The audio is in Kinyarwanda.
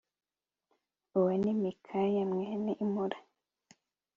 uwo ni Mikaya mwene Imula